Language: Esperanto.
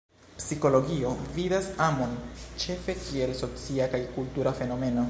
Psikologio vidas amon ĉefe kiel socia kaj kultura fenomeno.